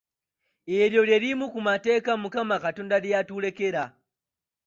Eryo lye limu ku mateeka Mukama Katonda lye yatulekera.